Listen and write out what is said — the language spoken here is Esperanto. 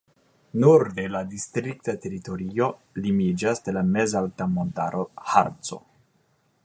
Norde la distrikta teritorio limiĝas de la mezalta montaro Harco.